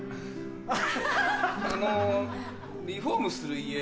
あのリフォームする家